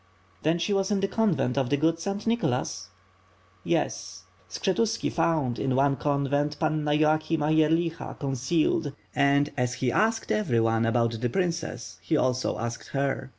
"Then she was in the convent of the good St. Nicholas?'' "Yes. Skshetuski found in one convent Panna Yoakhima Yerlicha concealed and, as he asked everyone about the princess, he also asked her.